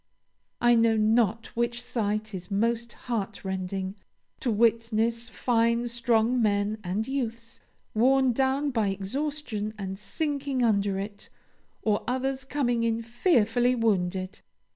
I know not which sight is most heartrending to witness fine strong men and youths worn down by exhaustion and sinking under it, or others coming in fearfully wounded.